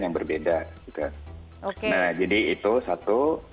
yang berbeda juga oke nah jadi itu satu